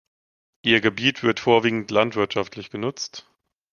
Ihr Gebiet wird vorwiegend landwirtschaftlich genutzt.